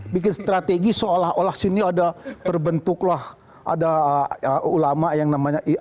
bikin strategi seolah olah sini ada terbentuklah ada ulama yang namanya